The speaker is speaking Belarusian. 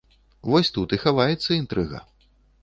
Вось тут і хаваецца інтрыга.